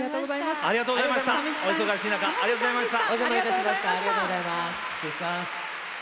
お忙しい中ありがとうございました。